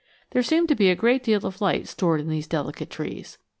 There seemed to be a great deal of light stored in these delicate trees.